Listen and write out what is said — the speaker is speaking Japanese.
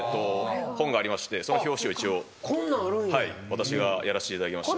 私がやらせていただきました。